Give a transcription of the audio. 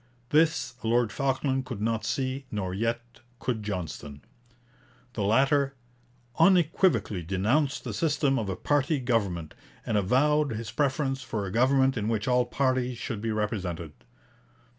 This Lord Falkland could not see, nor yet could Johnston. The latter 'unequivocally denounced the system of a party government, and avowed his preference for a government in which all parties should be represented.'